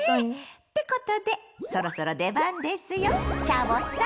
ってことでそろそろ出番ですよチャボさん！